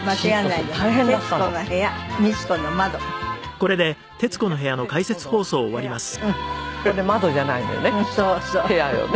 これ「窓」じゃないのよね。